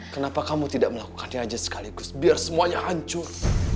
kenapa kamu tidak melakukannya aja sekaligus biar semuanya hancur